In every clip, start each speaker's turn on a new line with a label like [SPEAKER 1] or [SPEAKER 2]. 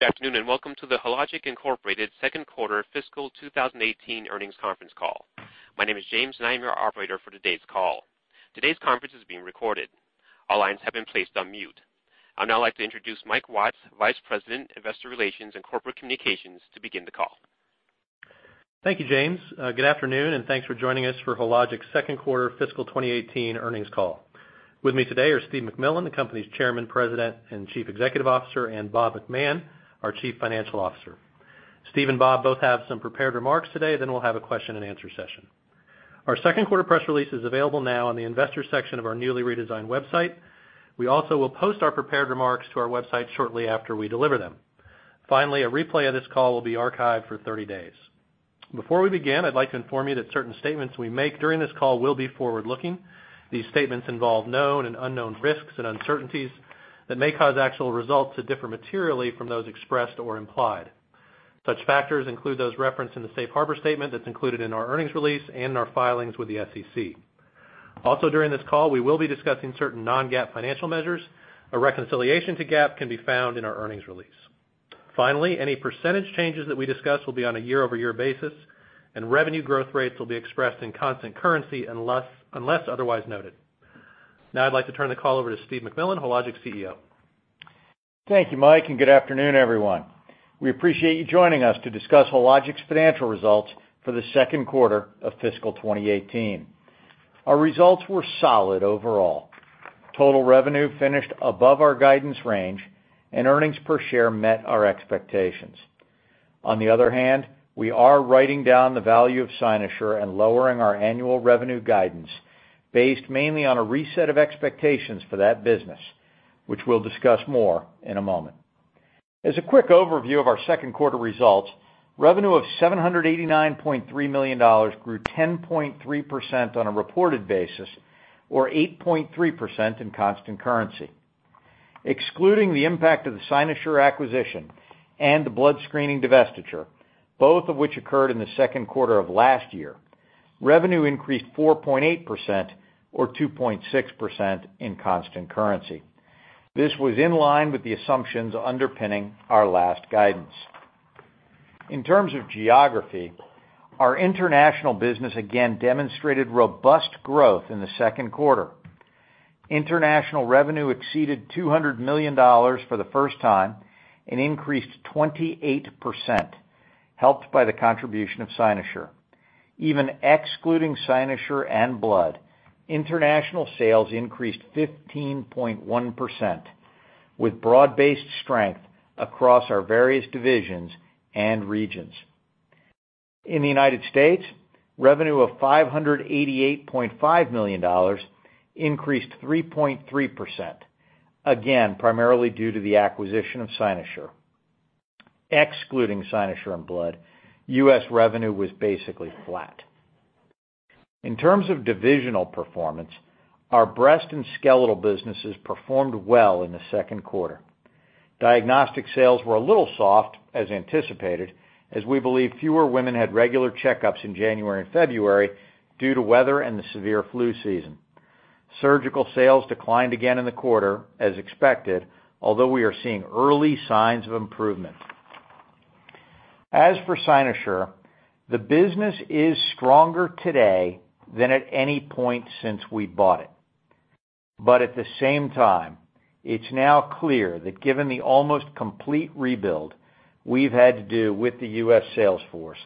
[SPEAKER 1] Good afternoon, and welcome to the Hologic, Inc. second quarter fiscal 2018 earnings conference call. My name is James and I am your operator for today's call. Today's conference is being recorded. All lines have been placed on mute. I would now like to introduce Michael Watts, Vice President, Investor Relations and Corporate Communications, to begin the call.
[SPEAKER 2] Thank you, James. Good afternoon, and thanks for joining us for Hologic's second quarter fiscal 2018 earnings call. With me today are Steve MacMillan, the company's Chairman, President, and Chief Executive Officer, and Bob McMahon, our Chief Financial Officer. Steve and Bob both have some prepared remarks today. We'll have a question and answer session. Our second quarter press release is available now on the investor section of our newly redesigned website. We also will post our prepared remarks to our website shortly after we deliver them. A replay of this call will be archived for 30 days. Before we begin, I'd like to inform you that certain statements we make during this call will be forward-looking. These statements involve known and unknown risks and uncertainties that may cause actual results to differ materially from those expressed or implied. Such factors include those referenced in the safe harbor statement that's included in our earnings release and in our filings with the SEC. Also during this call, we will be discussing certain non-GAAP financial measures. A reconciliation to GAAP can be found in our earnings release. Any percentage changes that we discuss will be on a year-over-year basis, and revenue growth rates will be expressed in constant currency unless otherwise noted. Now I'd like to turn the call over to Steve MacMillan, Hologic's CEO.
[SPEAKER 3] Thank you, Mike, and good afternoon, everyone. We appreciate you joining us to discuss Hologic's financial results for the second quarter of fiscal 2018. Our results were solid overall. Total revenue finished above our guidance range and earnings per share met our expectations. On the other hand, we are writing down the value of Cynosure and lowering our annual revenue guidance based mainly on a reset of expectations for that business, which we'll discuss more in a moment. As a quick overview of our second quarter results, revenue of $789.3 million grew 10.3% on a reported basis or 8.3% in constant currency. Excluding the impact of the Cynosure acquisition and the blood screening divestiture, both of which occurred in the second quarter of last year, revenue increased 4.8% or 2.6% in constant currency. This was in line with the assumptions underpinning our last guidance. In terms of geography, our international business again demonstrated robust growth in the second quarter. International revenue exceeded $200 million for the first time and increased 28%, helped by the contribution of Cynosure. Even excluding Cynosure and blood, international sales increased 15.1% with broad-based strength across our various divisions and regions. In the United States, revenue of $588.5 million increased 3.3%, again, primarily due to the acquisition of Cynosure. Excluding Cynosure and blood, U.S. revenue was basically flat. In terms of divisional performance, our breast and skeletal businesses performed well in the second quarter. Diagnostic sales were a little soft, as anticipated, as we believe fewer women had regular checkups in January and February due to weather and the severe flu season. Surgical sales declined again in the quarter, as expected, although we are seeing early signs of improvement. For Cynosure, the business is stronger today than at any point since we bought it. At the same time, it's now clear that given the almost complete rebuild we've had to do with the U.S. sales force,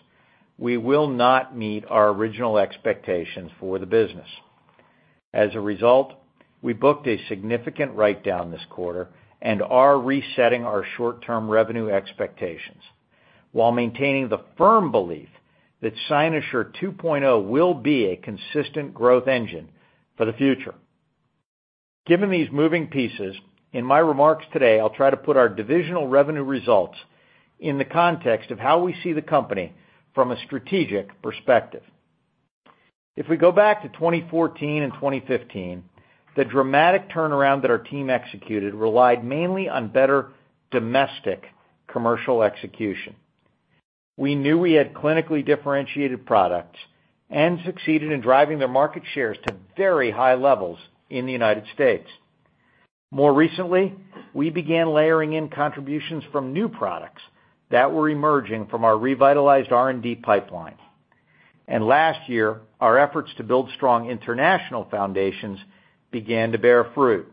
[SPEAKER 3] we will not meet our original expectations for the business. As a result, we booked a significant write-down this quarter and are resetting our short-term revenue expectations while maintaining the firm belief that Cynosure 2.0 will be a consistent growth engine for the future. Given these moving pieces, in my remarks today, I'll try to put our divisional revenue results in the context of how we see the company from a strategic perspective. If we go back to 2014 and 2015, the dramatic turnaround that our team executed relied mainly on better domestic commercial execution. We knew we had clinically differentiated products and succeeded in driving their market shares to very high levels in the United States. More recently, we began layering in contributions from new products that were emerging from our revitalized R&D pipeline. Last year, our efforts to build strong international foundations began to bear fruit.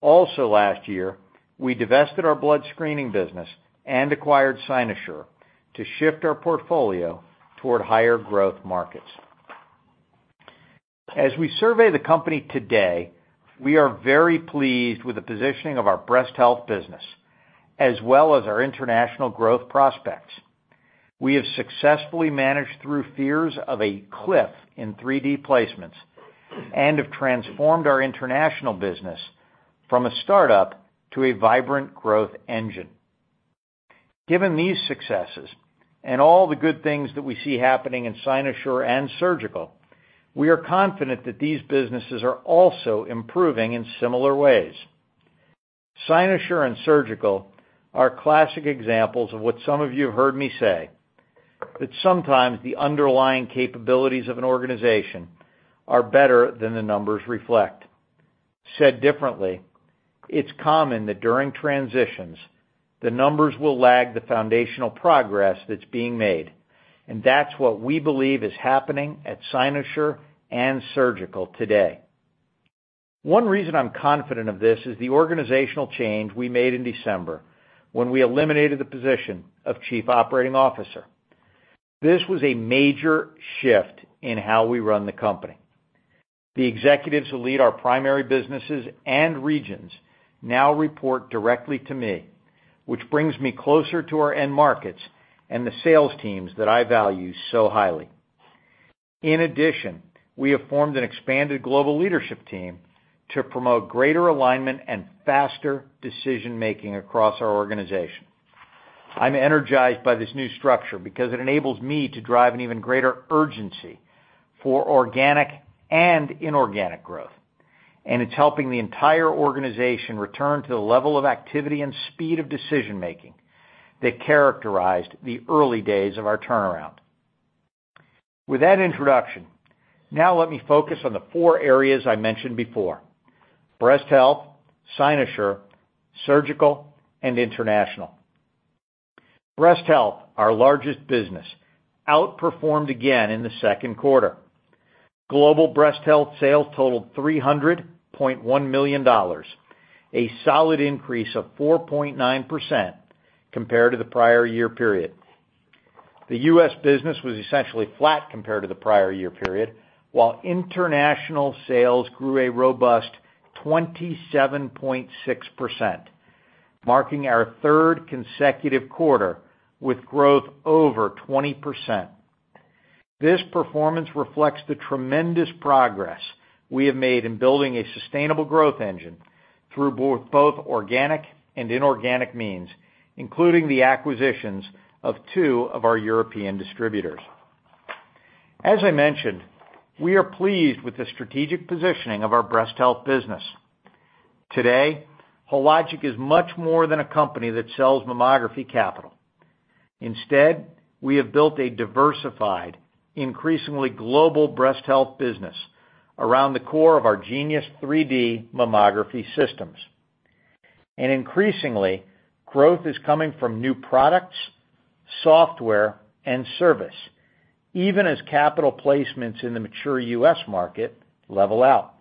[SPEAKER 3] Also, last year, we divested our blood screening business and acquired Cynosure to shift our portfolio toward higher growth markets. We survey the company today, we are very pleased with the positioning of our breast health business, as well as our international growth prospects. We have successfully managed through fears of a cliff in 3D placements and have transformed our international business from a startup to a vibrant growth engine. Given these successes and all the good things that we see happening in Cynosure and surgical, we are confident that these businesses are also improving in similar ways. Cynosure and surgical are classic examples of what some of you have heard me say, that sometimes the underlying capabilities of an organization are better than the numbers reflect. Said differently, it's common that during transitions, the numbers will lag the foundational progress that's being made, and that's what we believe is happening at Cynosure and Surgical today. One reason I'm confident of this is the organizational change we made in December when we eliminated the position of Chief Operating Officer. This was a major shift in how we run the company. The executives who lead our primary businesses and regions now report directly to me, which brings me closer to our end markets and the sales teams that I value so highly. In addition, we have formed an expanded global leadership team to promote greater alignment and faster decision-making across our organization. I'm energized by this new structure because it enables me to drive an even greater urgency for organic and inorganic growth, and it's helping the entire organization return to the level of activity and speed of decision-making that characterized the early days of our turnaround. With that introduction, now let me focus on the four areas I mentioned before, breast health, Cynosure, Surgical, and international. Breast health, our largest business, outperformed again in the second quarter. Global breast health sales totaled $300.1 million, a solid increase of 4.9% compared to the prior year period. The U.S. business was essentially flat compared to the prior year period, while international sales grew a robust 27.6%, marking our third consecutive quarter with growth over 20%. This performance reflects the tremendous progress we have made in building a sustainable growth engine through both organic and inorganic means, including the acquisitions of two of our European distributors. As I mentioned, we are pleased with the strategic positioning of our breast health business. Today, Hologic is much more than a company that sells mammography capital. Instead, we have built a diversified, increasingly global breast health business around the core of our Genius 3D Mammography systems. Increasingly, growth is coming from new products, software, and service, even as capital placements in the mature U.S. market level out.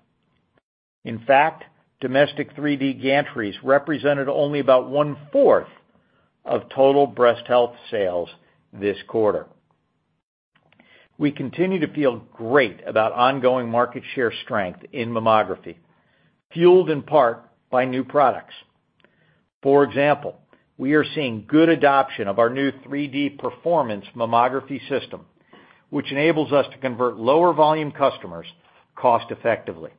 [SPEAKER 3] In fact, domestic 3D gantries represented only about one-fourth of total breast health sales this quarter. We continue to feel great about ongoing market share strength in mammography, fueled in part by new products. For example, we are seeing good adoption of our new 3D Performance mammography system, which enables us to convert lower volume customers cost effectively.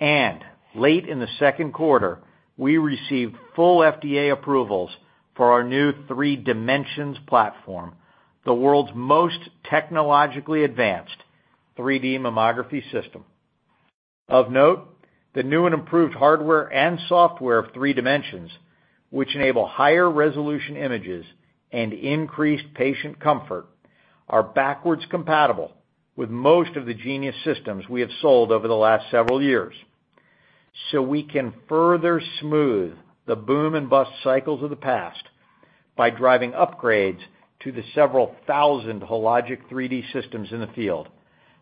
[SPEAKER 3] Late in the second quarter, we received full FDA approvals for our new 3Dimensions platform, the world's most technologically advanced 3D mammography system. Of note, the new and improved hardware and software of 3Dimensions, which enable higher resolution images and increased patient comfort, are backwards compatible with most of the Genius systems we have sold over the last several years. We can further smooth the boom and bust cycles of the past by driving upgrades to the several thousand Hologic 3D systems in the field,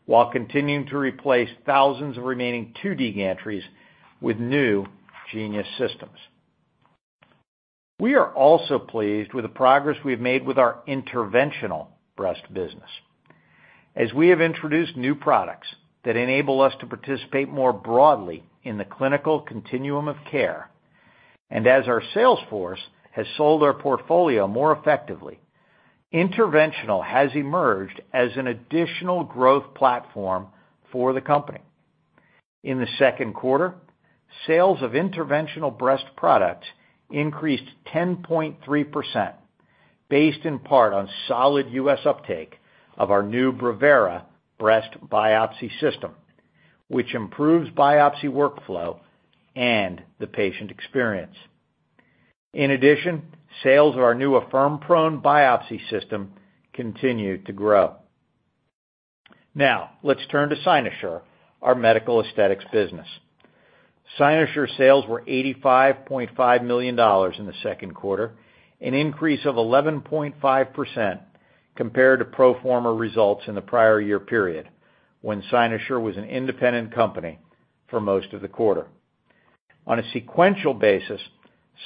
[SPEAKER 3] while continuing to replace thousands of remaining 2D gantries with new Genius systems. We are also pleased with the progress we've made with our interventional breast business. As we have introduced new products that enable us to participate more broadly in the clinical continuum of care, and as our sales force has sold our portfolio more effectively, interventional has emerged as an additional growth platform for the company. In the second quarter, sales of interventional breast products increased 10.3%, based in part on solid U.S. uptake of our new Brevera breast biopsy system, which improves biopsy workflow and the patient experience. In addition, sales of our new Affirm Prone biopsy system continue to grow. Now, let's turn to Cynosure, our medical aesthetics business. Cynosure sales were $85.5 million in the second quarter, an increase of 11.5% compared to pro forma results in the prior year period when Cynosure was an independent company for most of the quarter. On a sequential basis,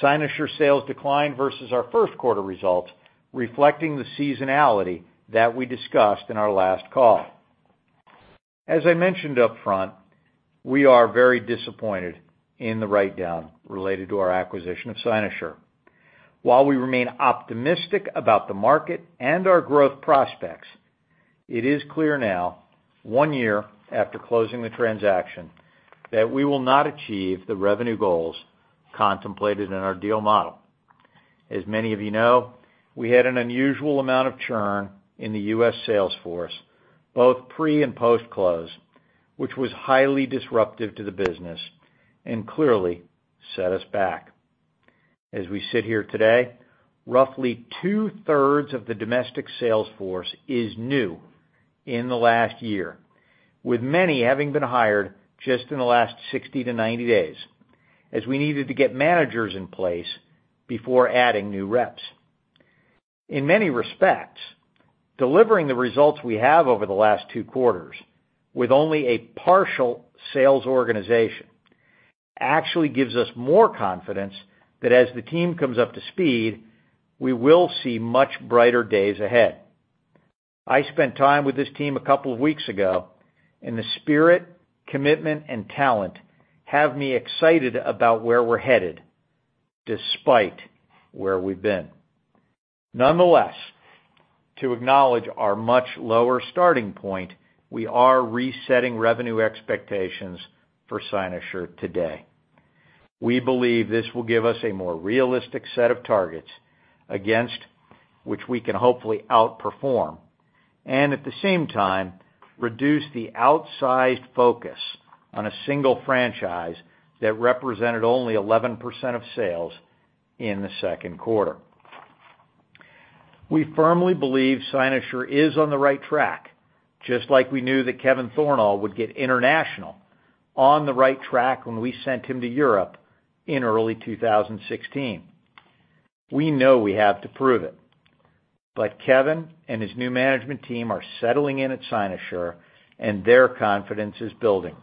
[SPEAKER 3] Cynosure sales declined versus our first quarter results, reflecting the seasonality that we discussed in our last call. As I mentioned up front, we are very disappointed in the write-down related to our acquisition of Cynosure. While we remain optimistic about the market and our growth prospects, it is clear now, one year after closing the transaction, that we will not achieve the revenue goals contemplated in our deal model. As many of you know, we had an unusual amount of churn in the U.S. sales force, both pre and post-close, which was highly disruptive to the business and clearly set us back. As we sit here today, roughly two-thirds of the domestic sales force is new in the last year, with many having been hired just in the last 60-90 days, as we needed to get managers in place before adding new reps. In many respects, delivering the results we have over the last two quarters with only a partial sales organization actually gives us more confidence that as the team comes up to speed, we will see much brighter days ahead. I spent time with this team a couple of weeks ago, and the spirit, commitment, and talent have me excited about where we're headed, despite where we've been. Nonetheless, to acknowledge our much lower starting point, we are resetting revenue expectations for Cynosure today. We believe this will give us a more realistic set of targets against which we can hopefully outperform, and at the same time, reduce the outsized focus on a single franchise that represented only 11% of sales in the second quarter. We firmly believe Cynosure is on the right track, just like we knew that Kevin Thornal would get international on the right track when we sent him to Europe in early 2016. We know we have to prove it, but Kevin and his new management team are settling in at Cynosure, and their confidence is building.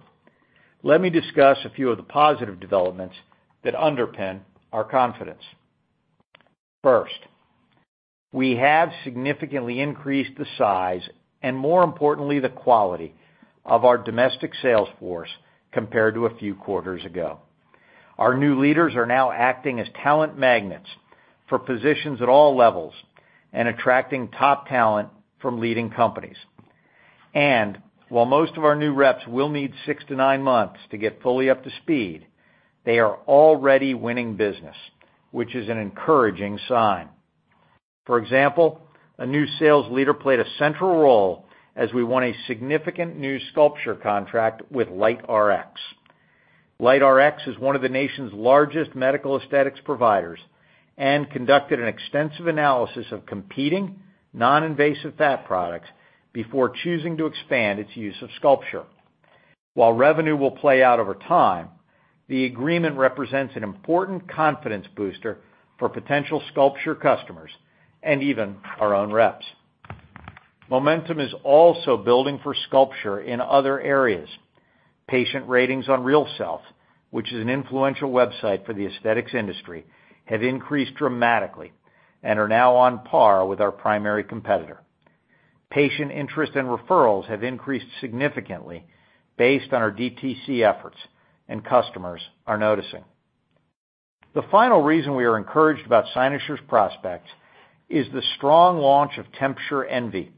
[SPEAKER 3] Let me discuss a few of the positive developments that underpin our confidence. First, we have significantly increased the size and, more importantly, the quality of our domestic sales force compared to a few quarters ago. Our new leaders are now acting as talent magnets for positions at all levels and attracting top talent from leading companies. While most of our new reps will need six to nine months to get fully up to speed, they are already winning business, which is an encouraging sign. For example, a new sales leader played a central role as we won a significant new SculpSure contract with LightRx. LightRx is one of the nation's largest medical aesthetics providers and conducted an extensive analysis of competing non-invasive fat products before choosing to expand its use of SculpSure. While revenue will play out over time, the agreement represents an important confidence booster for potential SculpSure customers and even our own reps. Momentum is also building for SculpSure in other areas. Patient ratings on RealSelf, which is an influential website for the aesthetics industry, have increased dramatically and are now on par with our primary competitor. Patient interest and referrals have increased significantly based on our DTC efforts, and customers are noticing. The final reason we are encouraged about Cynosure's prospects is the strong launch of TempSure Envi,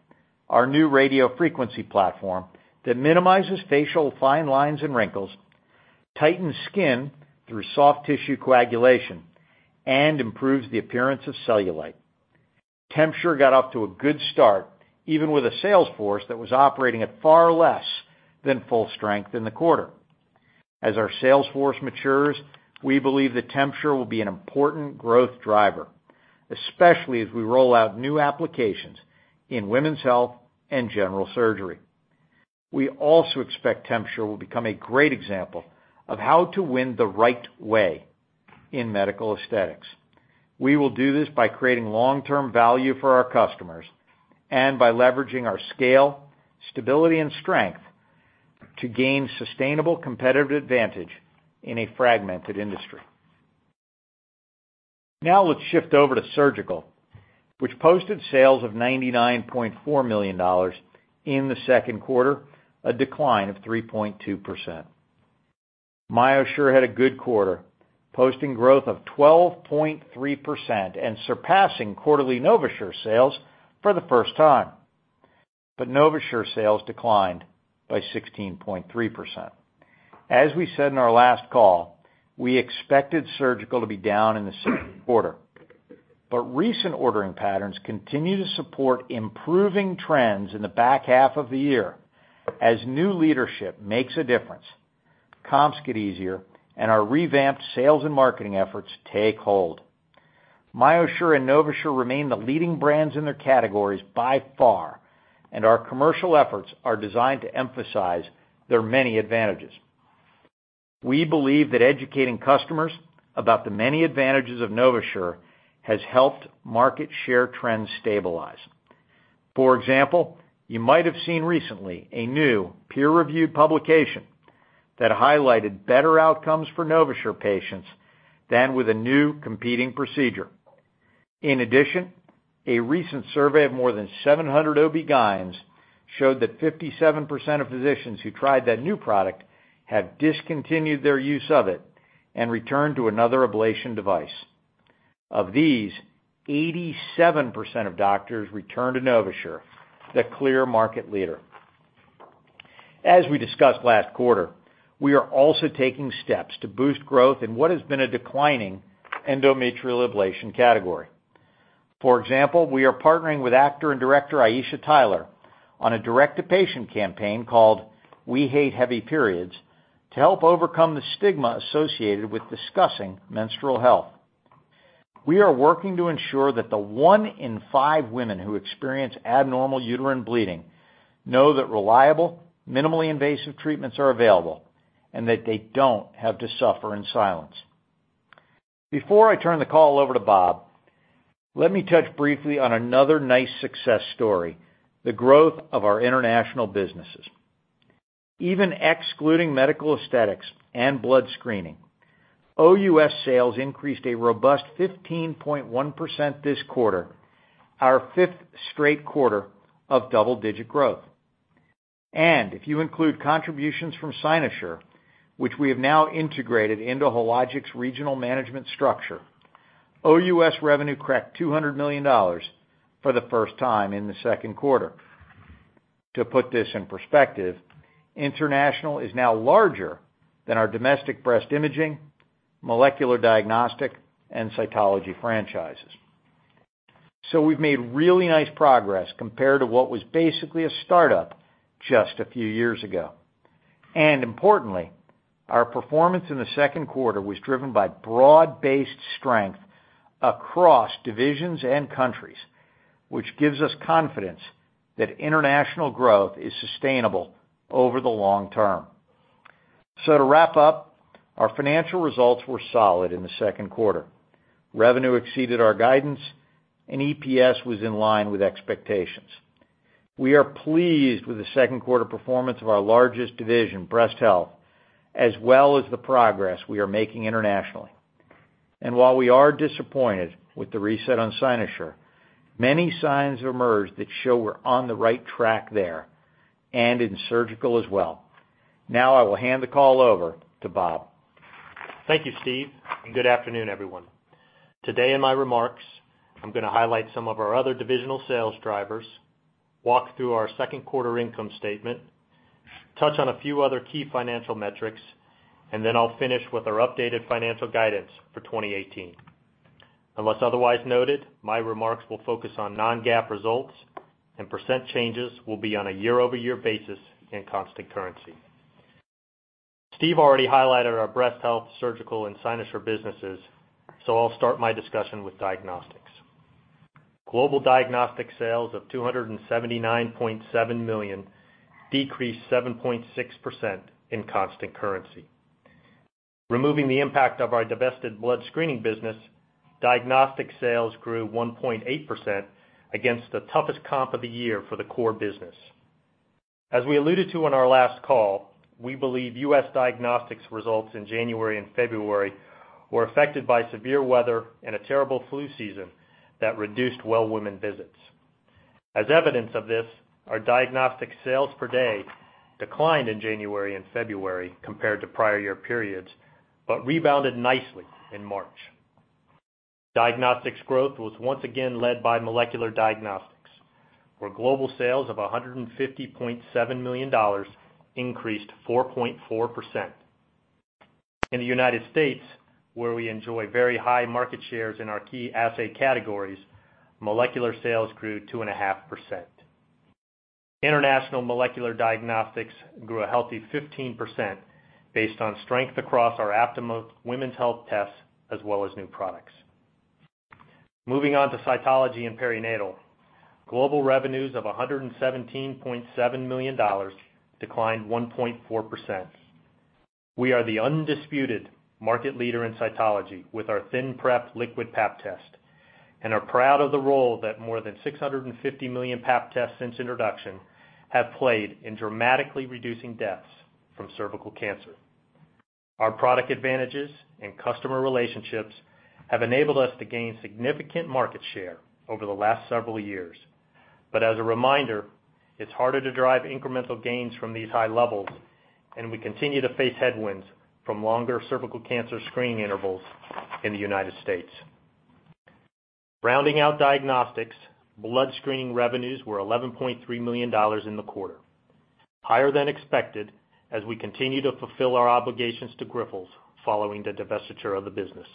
[SPEAKER 3] our new radio frequency platform that minimizes facial fine lines and wrinkles, tightens skin through soft tissue coagulation, and improves the appearance of cellulite. TempSure got off to a good start, even with a sales force that was operating at far less than full strength in the quarter. As our sales force matures, we believe that TempSure will be an important growth driver, especially as we roll out new applications in women's health and general surgery. We also expect TempSure will become a great example of how to win the right way in medical aesthetics. We will do this by creating long-term value for our customers and by leveraging our scale, stability, and strength to gain sustainable competitive advantage in a fragmented industry. Let's shift over to surgical, which posted sales of $99.4 million in the second quarter, a decline of 3.2%. MyoSure had a good quarter, posting growth of 12.3% and surpassing quarterly NovaSure sales for the first time. NovaSure sales declined by 16.3%. As we said in our last call, we expected surgical to be down in the second quarter, but recent ordering patterns continue to support improving trends in the back half of the year as new leadership makes a difference, comps get easier, and our revamped sales and marketing efforts take hold. MyoSure and NovaSure remain the leading brands in their categories by far, and our commercial efforts are designed to emphasize their many advantages. We believe that educating customers about the many advantages of NovaSure has helped market share trends stabilize. For example, you might have seen recently a new peer-reviewed publication that highlighted better outcomes for NovaSure patients than with a new competing procedure. In addition, a recent survey of more than 700 OBGYNs showed that 57% of physicians who tried that new product have discontinued their use of it and returned to another ablation device. Of these, 87% of doctors returned to NovaSure, the clear market leader. As we discussed last quarter, we are also taking steps to boost growth in what has been a declining endometrial ablation category. For example, we are partnering with actor and director Aisha Tyler on a direct-to-patient campaign called We Hate Heavy Periods to help overcome the stigma associated with discussing menstrual health. We are working to ensure that the one in five women who experience abnormal uterine bleeding know that reliable, minimally invasive treatments are available, and that they don't have to suffer in silence. Before I turn the call over to Bob, let me touch briefly on another nice success story, the growth of our international businesses. Even excluding medical aesthetics and blood screening, OUS sales increased a robust 15.1% this quarter, our fifth straight quarter of double-digit growth. If you include contributions from Cynosure, which we have now integrated into Hologic's regional management structure, OUS revenue cracked $200 million for the first time in the second quarter. To put this in perspective, international is now larger than our domestic breast imaging, molecular diagnostic, and cytology franchises. We've made really nice progress compared to what was basically a startup just a few years ago. Importantly, our performance in the second quarter was driven by broad-based strength across divisions and countries, which gives us confidence that international growth is sustainable over the long term. To wrap up, our financial results were solid in the second quarter. Revenue exceeded our guidance, and EPS was in line with expectations. We are pleased with the second quarter performance of our largest division, Breast Health, as well as the progress we are making internationally. While we are disappointed with the reset on Cynosure, many signs have emerged that show we're on the right track there and in Surgical as well. Now I will hand the call over to Bob.
[SPEAKER 4] Thank you, Steve, and good afternoon, everyone. Today in my remarks, I'm going to highlight some of our other divisional sales drivers, walk through our second quarter income statement, touch on a few other key financial metrics, and then I'll finish with our updated financial guidance for 2018. Unless otherwise noted, my remarks will focus on non-GAAP results, and percent changes will be on a year-over-year basis in constant currency. Steve already highlighted our Breast Health, Surgical, and Cynosure businesses, so I'll start my discussion with Diagnostics. Global Diagnostics sales of $279.7 million decreased 7.6% in constant currency. Removing the impact of our divested blood screening business, Diagnostics sales grew 1.8% against the toughest comp of the year for the core business. As we alluded to on our last call, we believe U.S. Diagnostics results in January and February were affected by severe weather and a terrible flu season that reduced well-woman visits. As evidence of this, our Diagnostics sales per day declined in January and February compared to prior year periods, but rebounded nicely in March. Diagnostics growth was once again led by molecular diagnostics, where global sales of $150.7 million increased 4.4%. In the United States, where we enjoy very high market shares in our key assay categories, molecular sales grew 2.5%. International molecular diagnostics grew a healthy 15% based on strength across our Aptima women's health tests as well as new products. Moving on to Cytology and Perinatal. Global revenues of $117.7 million declined 1.4%. We are the undisputed market leader in Cytology with our ThinPrep liquid pap test and are proud of the role that more than 650 million pap tests since introduction have played in dramatically reducing deaths from cervical cancer. Our product advantages and customer relationships have enabled us to gain significant market share over the last several years. As a reminder, it's harder to drive incremental gains from these high levels, and we continue to face headwinds from longer cervical cancer screening intervals in the United States. Rounding out Diagnostics, Blood Screening revenues were $11.3 million in the quarter, higher than expected as we continue to fulfill our obligations to Grifols following the divestiture of the business.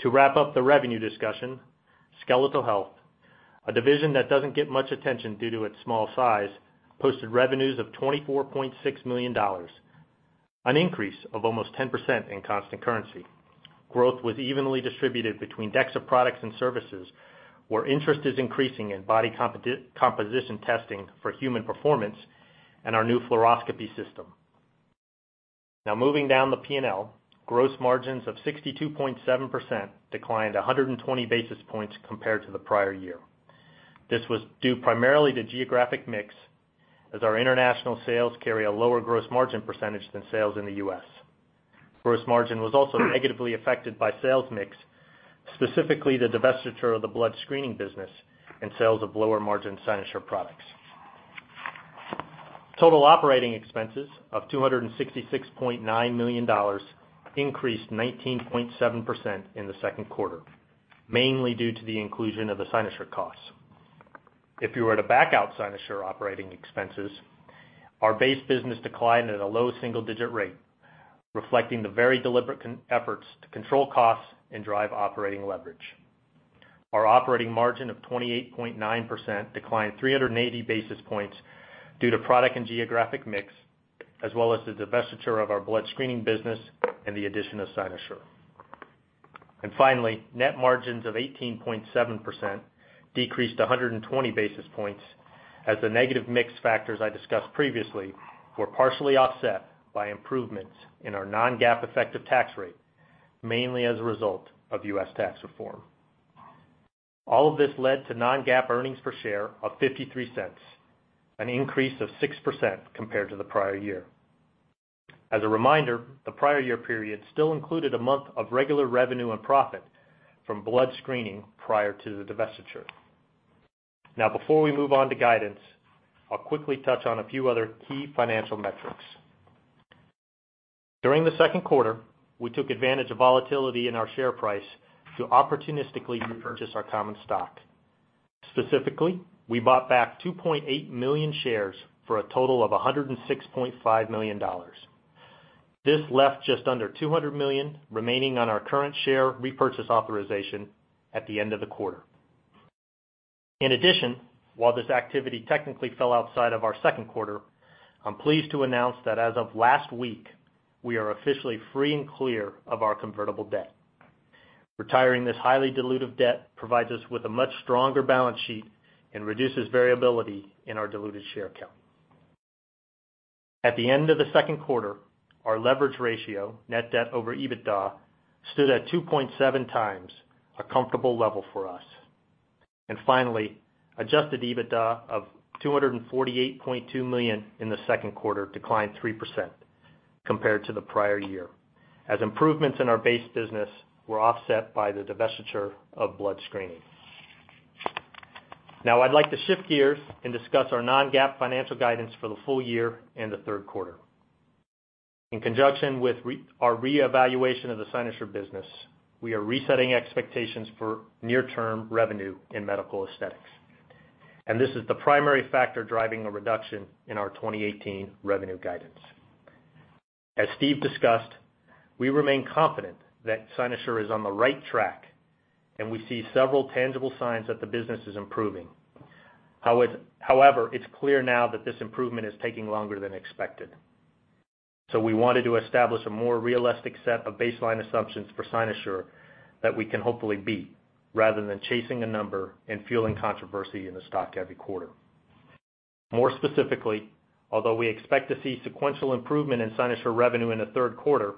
[SPEAKER 4] To wrap up the revenue discussion, Skeletal Health, a division that doesn't get much attention due to its small size, posted revenues of $24.6 million, an increase of almost 10% in constant currency. Growth was evenly distributed between DEXA products and services, where interest is increasing in body composition testing for human performance and our new fluoroscopy system. Moving down the P&L, gross margins of 62.7% declined 120 basis points compared to the prior year. This was due primarily to geographic mix, as our international sales carry a lower gross margin percentage than sales in the U.S. Gross margin was also negatively affected by sales mix, specifically the divestiture of the blood screening business and sales of lower margin Cynosure products. Total operating expenses of $266.9 million increased 19.7% in the second quarter, mainly due to the inclusion of the Cynosure costs. If you were to back out Cynosure operating expenses, our base business declined at a low single-digit rate, reflecting the very deliberate efforts to control costs and drive operating leverage. Our operating margin of 28.9% declined 380 basis points due to product and geographic mix, as well as the divestiture of our blood screening business and the addition of Cynosure. Finally, net margins of 18.7% decreased 120 basis points as the negative mix factors I discussed previously were partially offset by improvements in our non-GAAP effective tax rate, mainly as a result of U.S. tax reform. All of this led to non-GAAP earnings per share of $0.53, an increase of 6% compared to the prior year. As a reminder, the prior year period still included a month of regular revenue and profit from blood screening prior to the divestiture. Before we move on to guidance, I'll quickly touch on a few other key financial metrics. During the second quarter, we took advantage of volatility in our share price to opportunistically repurchase our common stock. Specifically, we bought back 2.8 million shares for a total of $106.5 million. This left just under 200 million remaining on our current share repurchase authorization at the end of the quarter. In addition, while this activity technically fell outside of our second quarter, I'm pleased to announce that as of last week, we are officially free and clear of our convertible debt. Retiring this highly dilutive debt provides us with a much stronger balance sheet and reduces variability in our diluted share count. At the end of the second quarter, our leverage ratio, net debt over EBITDA, stood at 2.7 times, a comfortable level for us. Finally, adjusted EBITDA of $248.2 million in the second quarter declined 3% compared to the prior year, as improvements in our base business were offset by the divestiture of blood screening. I'd like to shift gears and discuss our non-GAAP financial guidance for the full year and the third quarter. In conjunction with our reevaluation of the Cynosure business, we are resetting expectations for near-term revenue in medical aesthetics. This is the primary factor driving a reduction in our 2018 revenue guidance. As Steve discussed, we remain confident that Cynosure is on the right track, and we see several tangible signs that the business is improving. However, it's clear now that this improvement is taking longer than expected. We wanted to establish a more realistic set of baseline assumptions for Cynosure that we can hopefully beat rather than chasing a number and fueling controversy in the stock every quarter. More specifically, although we expect to see sequential improvement in Cynosure revenue in the third quarter,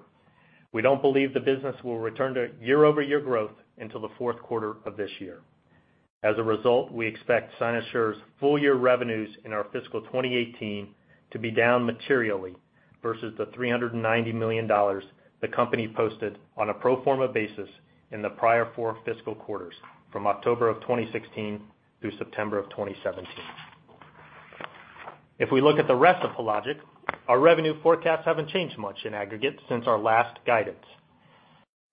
[SPEAKER 4] we don't believe the business will return to year-over-year growth until the fourth quarter of this year. As a result, we expect Cynosure's full year revenues in our fiscal 2018 to be down materially versus the $390 million the company posted on a pro forma basis in the prior four fiscal quarters from October of 2016 through September of 2017. If we look at the rest of Hologic, our revenue forecasts haven't changed much in aggregate since our last guidance.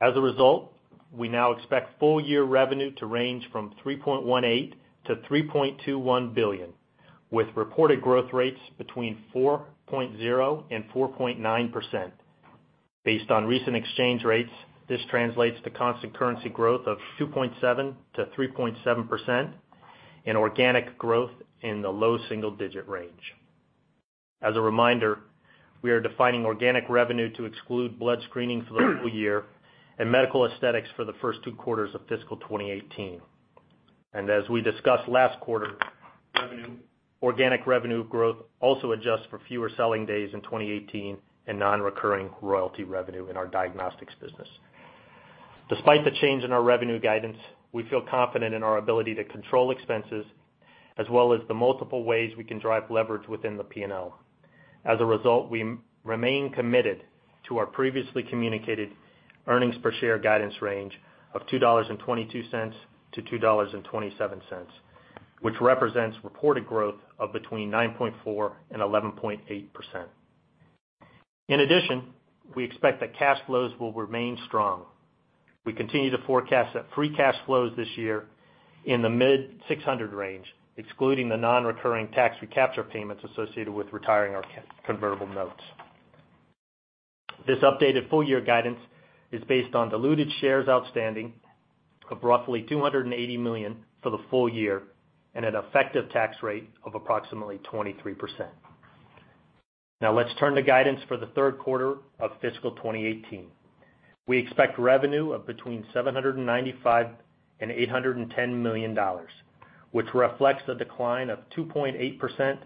[SPEAKER 4] As a result, we now expect full year revenue to range from $3.18 billion-$3.21 billion, with reported growth rates between 4.0% and 4.9%. Based on recent exchange rates, this translates to constant currency growth of 2.7%-3.7% and organic growth in the low single-digit range. As a reminder, we are defining organic revenue to exclude blood screening for the full year and medical aesthetics for the first two quarters of fiscal 2018. As we discussed last quarter, organic revenue growth also adjusts for fewer selling days in 2018 and non-recurring royalty revenue in our diagnostics business. Despite the change in our revenue guidance, we feel confident in our ability to control expenses as well as the multiple ways we can drive leverage within the P&L. As a result, we remain committed to our previously communicated earnings per share guidance range of $2.22-$2.27, which represents reported growth of between 9.4% and 11.8%. In addition, we expect that cash flows will remain strong. We continue to forecast that free cash flows this year in the mid $600 million range, excluding the non-recurring tax recapture payments associated with retiring our convertible notes. This updated full year guidance is based on diluted shares outstanding of roughly 280 million for the full year and an effective tax rate of approximately 23%. Now let's turn to guidance for the third quarter of fiscal 2018. We expect revenue of between $795 million-$810 million, which reflects a decline of 2.8%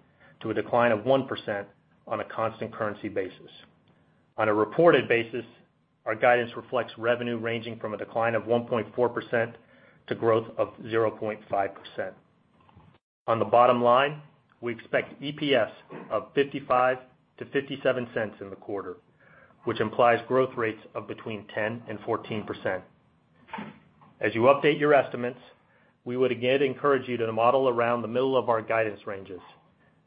[SPEAKER 4] to a decline of 1% on a constant currency basis. On a reported basis, our guidance reflects revenue ranging from a decline of 1.4% to growth of 0.5%. On the bottom line, we expect EPS of $0.55-$0.57 in the quarter, which implies growth rates of between 10% and 14%. As you update your estimates, we would again encourage you to model around the middle of our guidance ranges,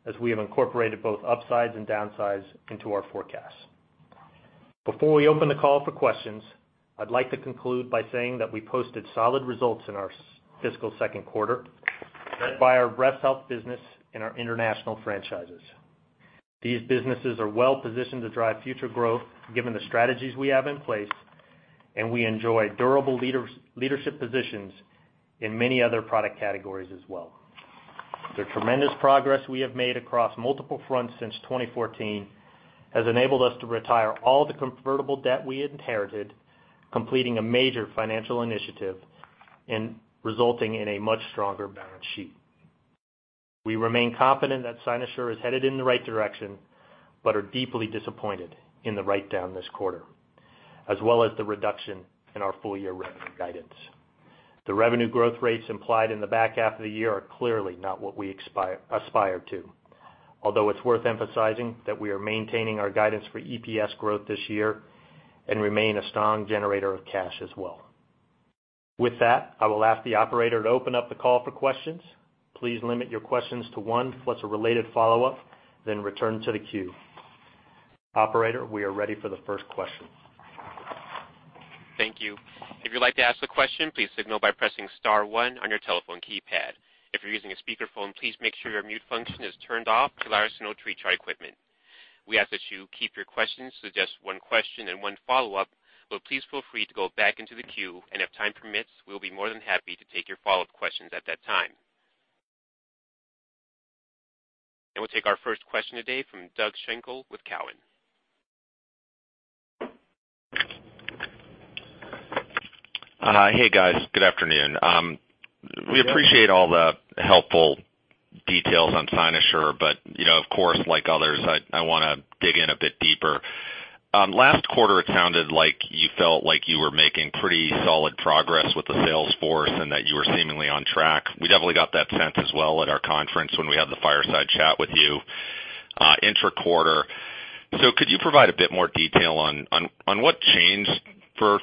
[SPEAKER 4] as we have incorporated both upsides and downsides into our forecast. Before we open the call for questions, I'd like to conclude by saying that we posted solid results in our fiscal second quarter, led by our breast health business and our international franchises. These businesses are well-positioned to drive future growth, given the strategies we have in place, and we enjoy durable leadership positions in many other product categories as well. The tremendous progress we have made across multiple fronts since 2014 has enabled us to retire all the convertible debt we inherited, completing a major financial initiative and resulting in a much stronger balance sheet. We remain confident that Cynosure is headed in the right direction, but are deeply disappointed in the write-down this quarter, as well as the reduction in our full-year revenue guidance. The revenue growth rates implied in the back half of the year are clearly not what we aspire to, although it is worth emphasizing that we are maintaining our guidance for EPS growth this year and remain a strong generator of cash as well. With that, I will ask the operator to open up the call for questions. Please limit your questions to one, plus a related follow-up, then return to the queue. Operator, we are ready for the first question.
[SPEAKER 1] Thank you. If you would like to ask a question, please signal by pressing *1 on your telephone keypad. If you are using a speakerphone, please make sure your mute function is turned off to allow us to note your chart equipment. We ask that you keep your questions to just one question and one follow-up, but please feel free to go back into the queue, and if time permits, we will be more than happy to take your follow-up questions at that time. We will take our first question today from Doug Schenkel with Cowen.
[SPEAKER 5] Hi. Hey, guys. Good afternoon. We appreciate all the helpful details on Cynosure, but of course, like others, I want to dig in a bit deeper. Last quarter, it sounded like you felt like you were making pretty solid progress with the sales force and that you were seemingly on track. We definitely got that sense as well at our conference when we had the fireside chat with you intra-quarter. Could you provide a bit more detail on what changed for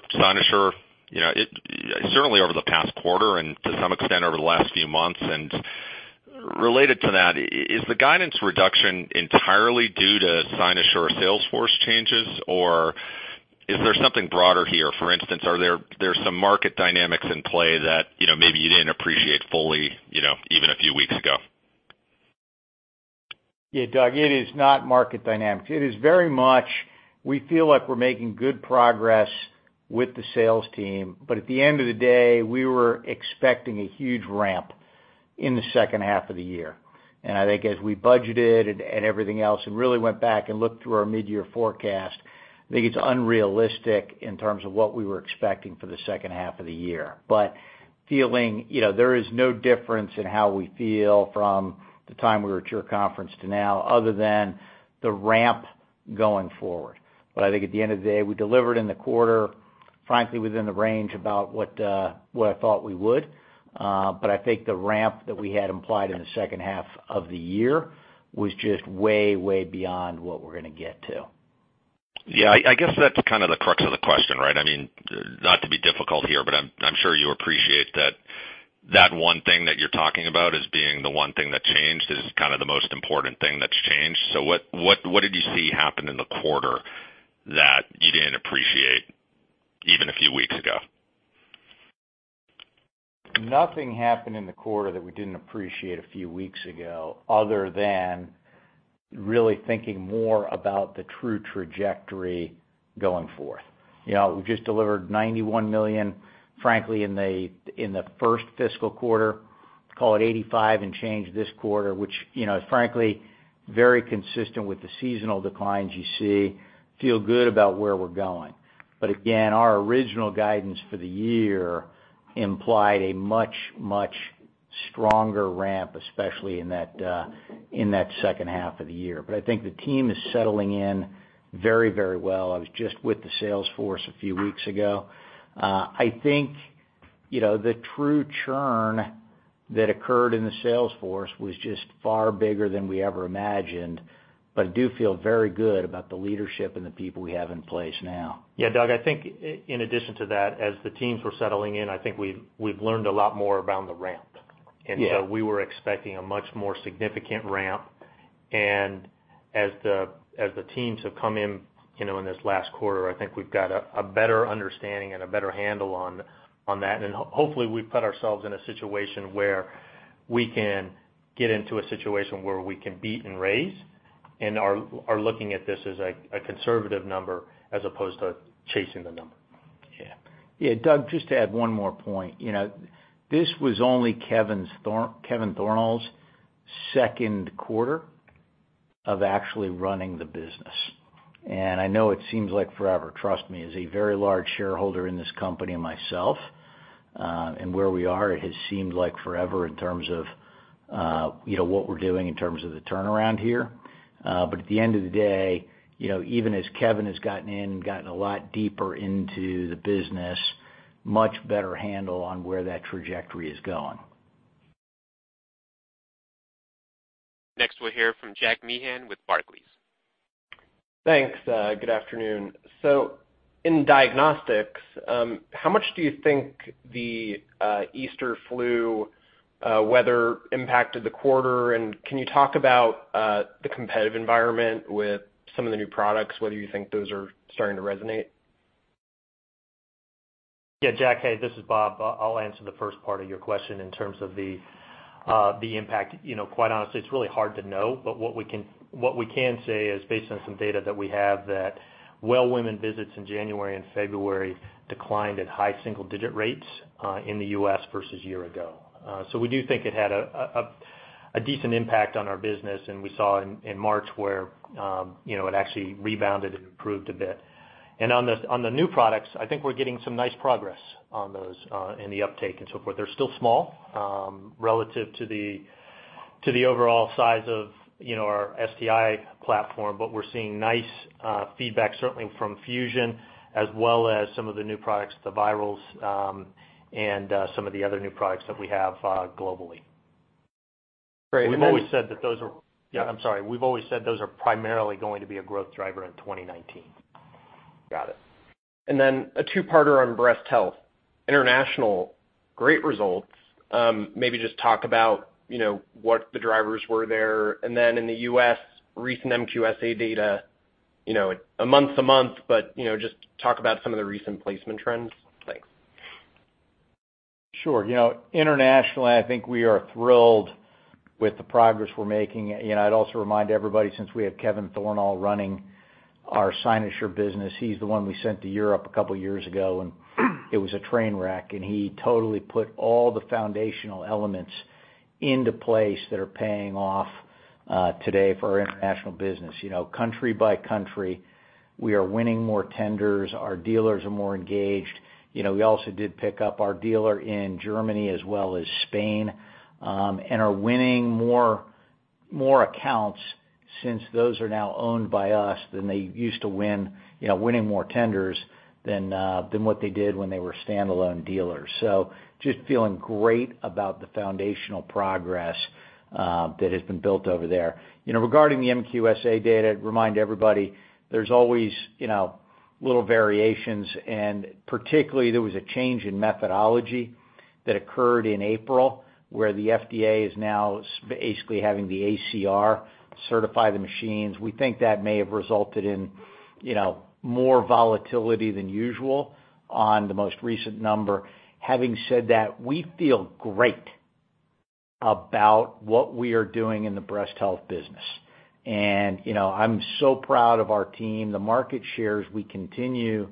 [SPEAKER 5] Cynosure, certainly over the past quarter and to some extent over the last few months? Related to that, is the guidance reduction entirely due to Cynosure sales force changes, or is there something broader here? For instance, are there some market dynamics in play that maybe you did not appreciate fully even a few weeks ago?
[SPEAKER 4] Yeah, Doug, it is not market dynamics. It is very much, we feel like we are making good progress with the sales team. At the end of the day, we were expecting a huge ramp in the second half of the year. I think as we budgeted and everything else and really went back and looked through our mid-year forecast, I think it is unrealistic in terms of what we were expecting for the second half of the year. There is no difference in how we feel from the time we were at your conference to now, other than the ramp going forward. I think at the end of the day, we delivered in the quarter, frankly, within the range about what I thought we would. The ramp that we had implied in the second half of the year was just way beyond what we're going to get to.
[SPEAKER 5] I guess that's kind of the crux of the question, right? Not to be difficult here, but I'm sure you appreciate that that one thing that you're talking about as being the one thing that changed is kind of the most important thing that's changed. What did you see happen in the quarter that you didn't appreciate even a few weeks ago?
[SPEAKER 4] Nothing happened in the quarter that we didn't appreciate a few weeks ago, other than really thinking more about the true trajectory going forth. We just delivered $91 million, frankly, in the first fiscal quarter. Call it 85 and change this quarter, which is frankly very consistent with the seasonal declines you see, feel good about where we're going. Again, our original guidance for the year implied a much stronger ramp, especially in that second half of the year. I think the team is settling in very well. I was just with the sales force a few weeks ago. I think the true churn that occurred in the sales force was just far bigger than we ever imagined, but I do feel very good about the leadership and the people we have in place now. Doug, I think in addition to that, as the teams were settling in, I think we've learned a lot more around the ramp.
[SPEAKER 5] Yeah.
[SPEAKER 4] We were expecting a much more significant ramp, and as the teams have come in this last quarter, I think we've got a better understanding and a better handle on that. Hopefully we've put ourselves in a situation where we can get into a situation where we can beat and raise, and are looking at this as a conservative number as opposed to chasing the number.
[SPEAKER 5] Yeah.
[SPEAKER 3] Yeah, Doug, just to add one more point. This was only Kevin Thornal's second quarter of actually running the business. I know it seems like forever, trust me, as a very large shareholder in this company myself, and where we are, it has seemed like forever in terms of what we're doing in terms of the turnaround here. At the end of the day, even as Kevin has gotten in and gotten a lot deeper into the business, much better handle on where that trajectory is going.
[SPEAKER 1] Next, we'll hear from Jack Meehan with Barclays.
[SPEAKER 6] Thanks. Good afternoon. In diagnostics, how much do you think the Easter flu weather impacted the quarter? Can you talk about the competitive environment with some of the new products, whether you think those are starting to resonate?
[SPEAKER 4] Jack. This is Bob. I'll answer the first part of your question in terms of the impact. Quite honestly, it's really hard to know, but what we can say is based on some data that we have that well woman visits in January and February declined at high single-digit rates in the U.S. versus year-ago. We do think it had a decent impact on our business, and we saw in March where it actually rebounded and improved a bit. On the new products, I think we're getting some nice progress on those in the uptake and so forth. They're still small relative to the overall size of our STI platform. We're seeing nice feedback certainly from Fusion as well as some of the new products, the virals, and some of the other new products that we have globally. Great. We've always said those are primarily going to be a growth driver in 2019.
[SPEAKER 6] Got it. A two-parter on breast health. International, great results. Maybe just talk about what the drivers were there, in the U.S., recent MQSA data, a month-to-month, but just talk about some of the recent placement trends. Thanks.
[SPEAKER 3] Sure. Internationally, I think we are thrilled with the progress we're making. I'd also remind everybody, since we have Kevin Thornal running our Cynosure business, he's the one we sent to Europe a couple of years ago, and it was a train wreck, and he totally put all the foundational elements into place that are paying off today for our international business. Country by country, we are winning more tenders. Our dealers are more engaged. We also did pick up our dealer in Germany as well as Spain and are winning more accounts since those are now owned by us than they used to win, winning more tenders than what they did when they were standalone dealers. Just feeling great about the foundational progress that has been built over there. Regarding the MQSA data, remind everybody there's always little variations, and particularly there was a change in methodology that occurred in April, where the FDA is now basically having the ACR certify the machines. We think that may have resulted in more volatility than usual on the most recent number. Having said that, we feel great about what we are doing in the breast health business. I'm so proud of our team. The market shares we continue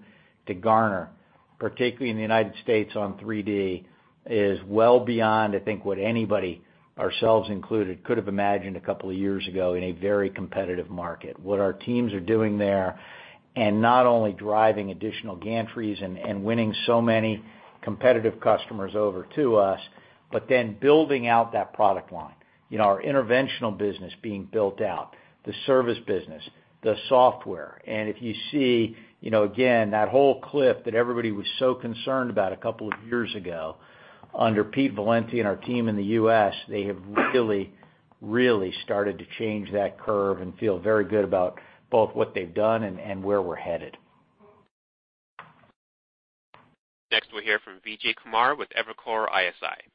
[SPEAKER 3] to garner, particularly in the U.S. on 3D, is well beyond, I think, what anybody, ourselves included, could have imagined a couple of years ago in a very competitive market. What our teams are doing there and not only driving additional gantries and winning so many competitive customers over to us, but then building out that product line. Our interventional business being built out. The service business, the software. If you see, again, that whole cliff that everybody was so concerned about a couple of years ago, under Pete Valenti and our team in the U.S., they have really, really started to change that curve and feel very good about both what they've done and where we're headed.
[SPEAKER 1] Next, we'll hear from Vijay Kumar with Evercore ISI.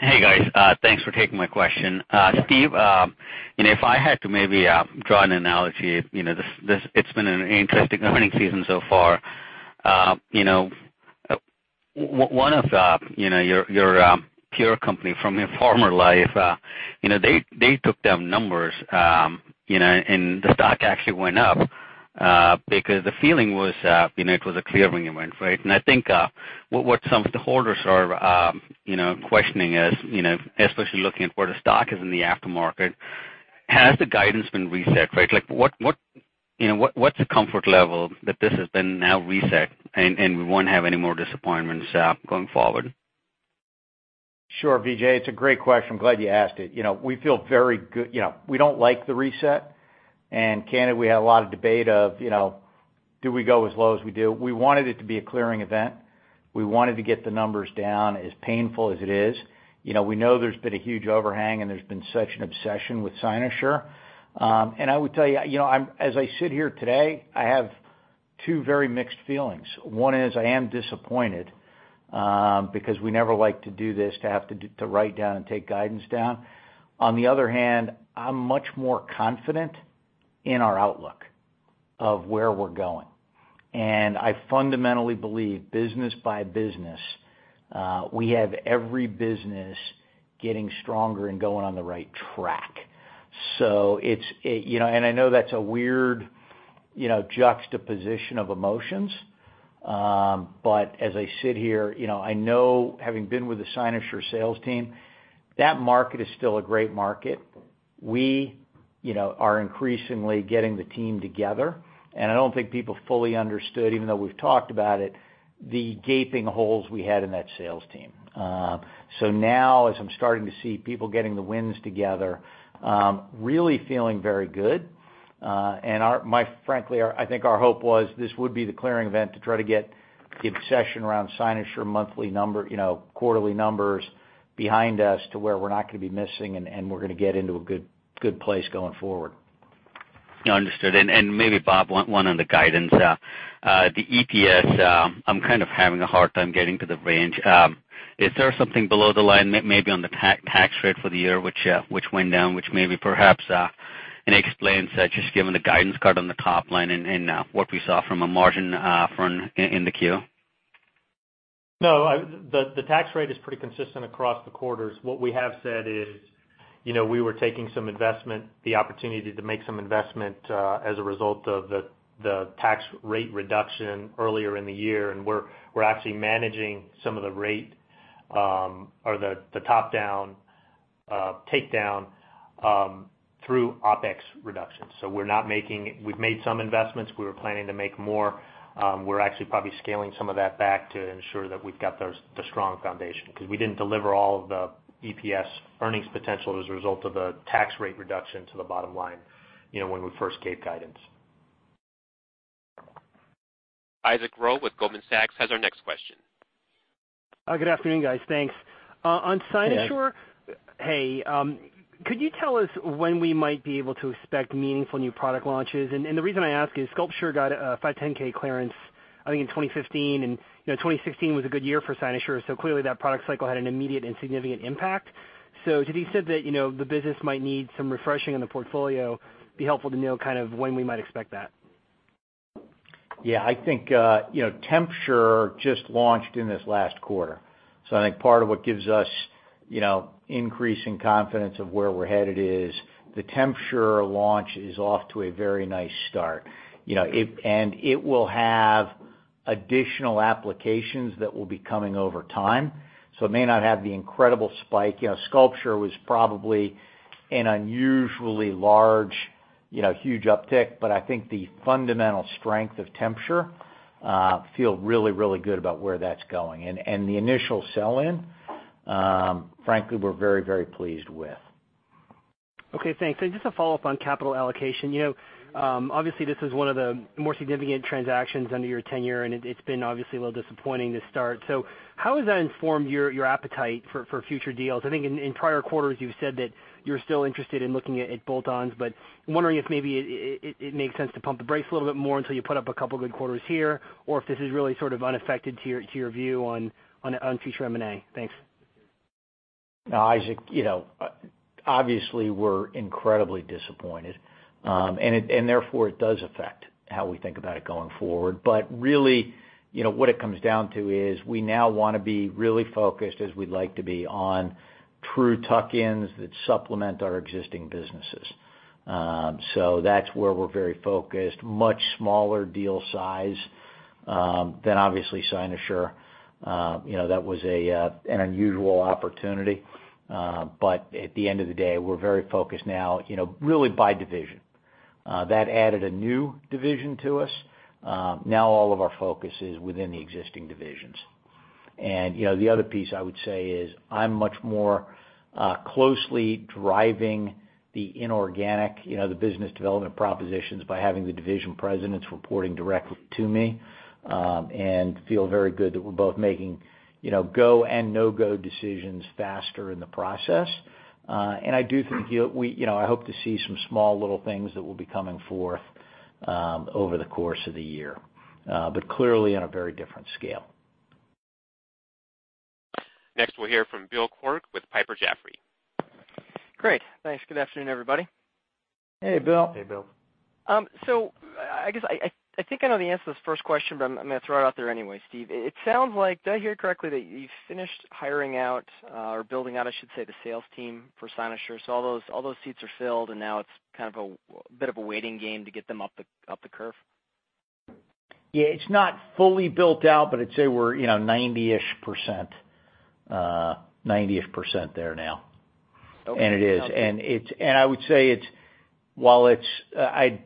[SPEAKER 7] Hey, guys. Thanks for taking my question. Steve, if I had to maybe draw an analogy, it's been an interesting earnings season so far. One of your peer company from your former life, they took down numbers, and the stock actually went up, because the feeling was it was a clearing event, right? I think what some of the holders are questioning is, especially looking at where the stock is in the aftermarket, has the guidance been reset, right? What's the comfort level that this has been now reset, and we won't have any more disappointments going forward?
[SPEAKER 3] Sure, Vijay. It's a great question. I'm glad you asked it. We don't like the reset. Candid, we had a lot of debate of, do we go as low as we do? We wanted it to be a clearing event. We wanted to get the numbers down, as painful as it is. We know there's been a huge overhang and there's been such an obsession with Cynosure. I would tell you, as I sit here today, I have two very mixed feelings. One is I am disappointed, because we never like to do this, to have to write down and take guidance down. On the other hand, I'm much more confident in our outlook of where we're going. I fundamentally believe business by business, we have every business getting stronger and going on the right track. I know that's a weird juxtaposition of emotions. As I sit here, I know having been with the Cynosure sales team, that market is still a great market. We are increasingly getting the team together, I don't think people fully understood, even though we've talked about it, the gaping holes we had in that sales team. Now as I'm starting to see people getting the wins together, really feeling very good. Frankly, I think our hope was this would be the clearing event to try to get the obsession around Cynosure quarterly numbers behind us to where we're not going to be missing, we're going to get into a good place going forward.
[SPEAKER 7] Understood. Maybe, Bob, one on the guidance. The EPS, I'm kind of having a hard time getting to the range. Is there something below the line, maybe, on the tax rate for the year which went down, which maybe perhaps, it explains that just given the guidance cut on the top line and what we saw from a margin front in the Q?
[SPEAKER 4] No, the tax rate is pretty consistent across the quarters. What we have said is we were taking the opportunity to make some investment as a result of the tax rate reduction earlier in the year, and we're actually managing some of the rate or the top down take down through OpEx reductions. We've made some investments. We were planning to make more. We're actually probably scaling some of that back to ensure that we've got the strong foundation because we didn't deliver all of the EPS earnings potential as a result of the tax rate reduction to the bottom line when we first gave guidance.
[SPEAKER 1] Isaac Ro with Goldman Sachs has our next question.
[SPEAKER 8] Hi, good afternoon, guys. Thanks.
[SPEAKER 3] Yes.
[SPEAKER 8] On Cynosure, hey, could you tell us when we might be able to expect meaningful new product launches? The reason I ask is SculpSure got a 510 clearance, I think, in 2015, and 2016 was a good year for Cynosure. Clearly, that product cycle had an immediate and significant impact. To the extent that the business might need some refreshing in the portfolio, it'd be helpful to know kind of when we might expect that.
[SPEAKER 3] I think TempSure just launched in this last quarter. I think part of what gives us increasing confidence of where we're headed is the TempSure launch is off to a very nice start. It will have additional applications that will be coming over time. It may not have the incredible spike. SculpSure was probably an unusually large, huge uptick, but I think the fundamental strength of TempSure, feel really, really good about where that's going. The initial sell-in, frankly, we're very, very pleased with.
[SPEAKER 8] Okay, thanks. Just a follow-up on capital allocation. Obviously, this is one of the more significant transactions under your tenure, and it's been obviously a little disappointing to start. How has that informed your appetite for future deals? I think in prior quarters, you've said that you're still interested in looking at bolt-ons, but I'm wondering if maybe it makes sense to pump the brakes a little bit more until you put up a couple good quarters here, or if this is really sort of unaffected to your view on future M&A. Thanks.
[SPEAKER 3] No, Isaac, obviously we're incredibly disappointed. Therefore, it does affect how we think about it going forward. Really, what it comes down to is we now want to be really focused as we'd like to be on true tuck-ins that supplement our existing businesses. That's where we're very focused, much smaller deal size than obviously Cynosure. That was an unusual opportunity. At the end of the day, we're very focused now really by division. That added a new division to us. Now all of our focus is within the existing divisions. The other piece I would say is I'm much more closely driving the inorganic, the business development propositions by having the division presidents reporting directly to me and feel very good that we're both making go and no-go decisions faster in the process. I hope to see some small little things that will be coming forth over the course of the year. Clearly on a very different scale.
[SPEAKER 1] Next, we'll hear from Bill Quirk with Piper Jaffray.
[SPEAKER 9] Great. Thanks. Good afternoon, everybody.
[SPEAKER 3] Hey, Bill.
[SPEAKER 4] Hey, Bill.
[SPEAKER 9] I think I know the answer to this first question, but I'm going to throw it out there anyway. Steve, did I hear correctly that you finished hiring out or building out, I should say, the sales team for Cynosure? All those seats are filled, and now it's kind of a bit of a waiting game to get them up the curve?
[SPEAKER 3] Yeah, it's not fully built out, but I'd say we're 90-ish% there now.
[SPEAKER 9] Okay.
[SPEAKER 3] It is. I'd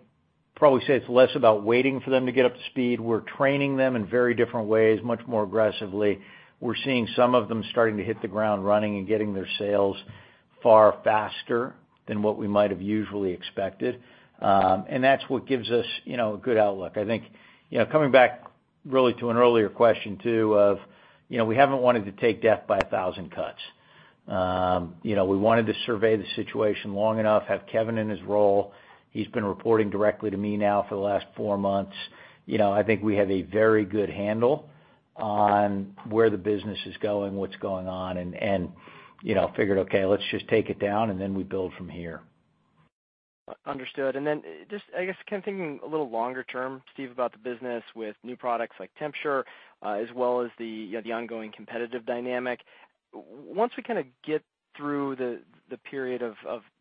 [SPEAKER 3] probably say it's less about waiting for them to get up to speed. We're training them in very different ways, much more aggressively. We're seeing some of them starting to hit the ground running and getting their sales far faster than what we might have usually expected. That's what gives us a good outlook. I think coming back really to an earlier question, too, of we haven't wanted to take death by a thousand cuts. We wanted to survey the situation long enough, have Kevin in his role. He's been reporting directly to me now for the last four months. I think we have a very good handle on where the business is going, what's going on, and figured, okay, let's just take it down and then we build from here.
[SPEAKER 9] Understood. Just, I guess, kind of thinking a little longer term, Steve, about the business with new products like TempSure as well as the ongoing competitive dynamic. Once we kind of get through the period of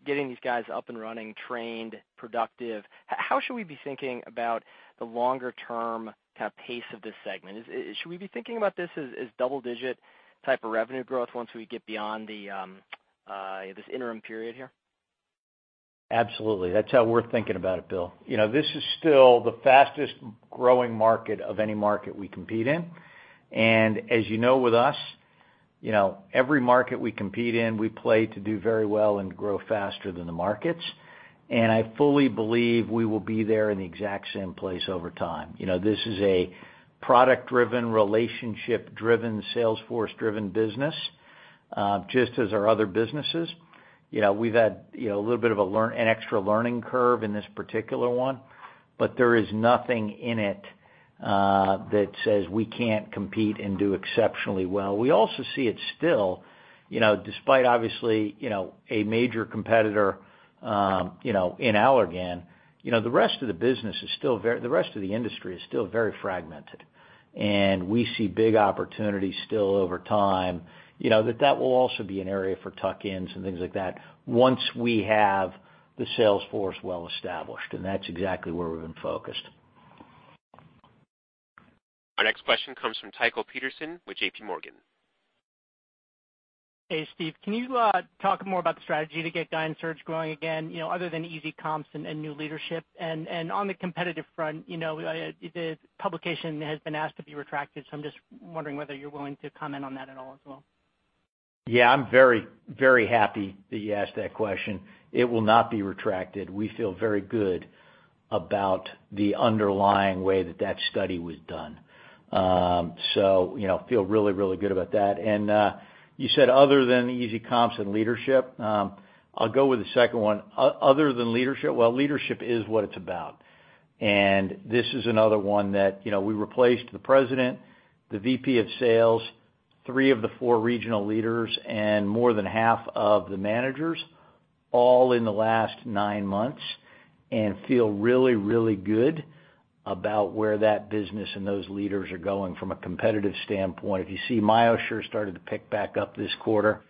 [SPEAKER 9] getting these guys up and running, trained, productive, how should we be thinking about the longer-term kind of pace of this segment? Should we be thinking about this as double-digit type of revenue growth once we get beyond this interim period here?
[SPEAKER 3] Absolutely. That's how we're thinking about it, Bill. This is still the fastest growing market of any market we compete in. As you know with us, every market we compete in, we play to do very well and grow faster than the markets. I fully believe we will be there in the exact same place over time. This is a product-driven, relationship-driven, sales force-driven business, just as our other businesses. We've had a little bit of an extra learning curve in this particular one, but there is nothing in it that says we can't compete and do exceptionally well. We also see it still, despite obviously a major competitor in Allergan, the rest of the industry is still very fragmented. We see big opportunities still over time, that will also be an area for tuck-ins and things like that once we have the sales force well established, and that's exactly where we've been focused.
[SPEAKER 1] Our next question comes from Tycho Peterson with J.P. Morgan.
[SPEAKER 10] Hey, Steve. Can you talk more about the strategy to get GYN-Surg growing again, other than easy comps and new leadership? On the competitive front, the publication has been asked to be retracted, I'm just wondering whether you're willing to comment on that at all as well.
[SPEAKER 3] Yeah, I'm very happy that you asked that question. It will not be retracted. We feel very good about the underlying way that that study was done. Feel really good about that. You said other than easy comps and leadership, I'll go with the second one. Other than leadership, well, leadership is what it's about. This is another one that we replaced the president, the VP of sales, three of the four regional leaders, and more than half of the managers all in the last nine months, and feel really good about where that business and those leaders are going from a competitive standpoint. If you see MyoSure started to pick back up this quarter.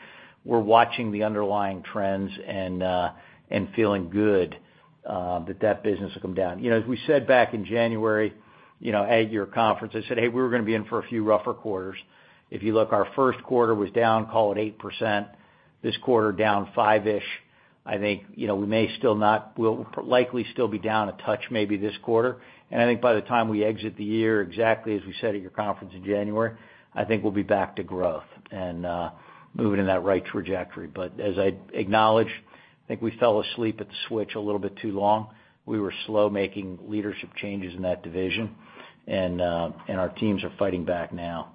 [SPEAKER 3] We're watching the underlying trends and feeling good that that business will come down. As we said back in January at your conference, I said, "Hey, we're going to be in for a few rougher quarters." If you look, our first quarter was down, call it 8%. This quarter down five-ish. I think we'll likely still be down a touch maybe this quarter. I think by the time we exit the year, exactly as we said at your conference in January, I think we'll be back to growth and moving in that right trajectory. As I acknowledged, I think we fell asleep at the switch a little bit too long. We were slow making leadership changes in that division, and our teams are fighting back now.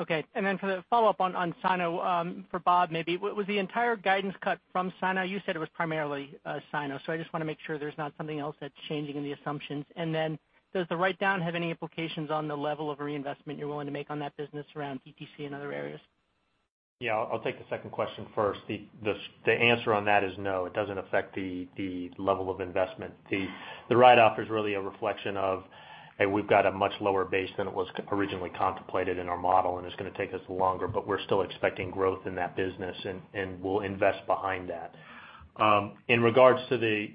[SPEAKER 10] Okay. Then for the follow-up on Cynosure, for Bob maybe. Was the entire guidance cut from Cynosure? You said it was primarily Cynosure. I just want to make sure there's not something else that's changing in the assumptions. Then does the write-down have any implications on the level of reinvestment you're willing to make on that business around DTC and other areas?
[SPEAKER 4] Yeah, I'll take the second question first. The answer on that is no, it doesn't affect the level of investment. The write-off is really a reflection of, hey, we've got a much lower base than it was originally contemplated in our model, and it's going to take us longer, but we're still expecting growth in that business, and we'll invest behind that. In regards to the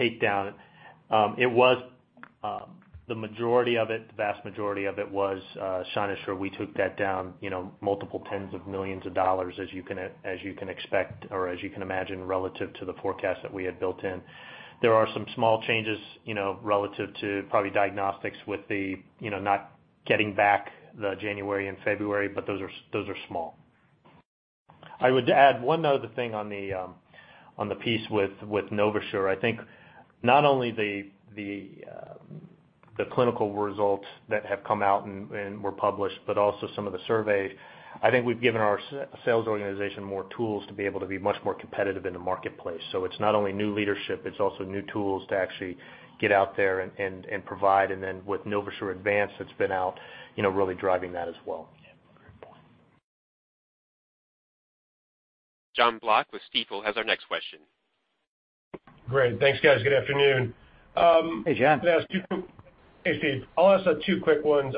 [SPEAKER 4] takedown, the vast majority of it was Cynosure. We took that down multiple tens of millions of dollars, as you can expect or as you can imagine, relative to the forecast that we had built in. There are some small changes relative to probably diagnostics with the not getting back the January and February, but those are small. I would add one other thing on the piece with NovaSure. Not only the clinical results that have come out and were published, but also some of the surveys. I think we've given our sales organization more tools to be able to be much more competitive in the marketplace. It's not only new leadership, it's also new tools to actually get out there and provide. With NovaSure ADVANCED that's been out really driving that as well.
[SPEAKER 3] Yeah. Great point.
[SPEAKER 1] Jon Block with Stifel has our next question.
[SPEAKER 11] Great. Thanks, guys. Good afternoon.
[SPEAKER 3] Hey, Jon.
[SPEAKER 11] Hey, Steve. I'll ask two quick ones.